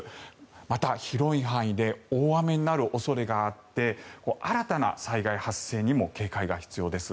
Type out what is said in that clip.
また、広い範囲で大雨になる恐れがあって新たな災害発生にも警戒が必要です。